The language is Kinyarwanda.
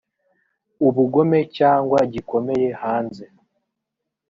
ubugome cyangwa gikomeye hanze